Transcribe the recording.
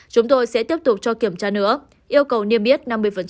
chúng tôi sẽ tiếp tục cho kiểm tra nữa yêu cầu niêm yết năm mươi